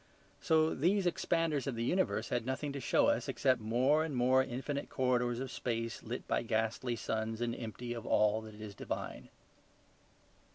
So these expanders of the universe had nothing to show us except more and more infinite corridors of space lit by ghastly suns and empty of all that is divine.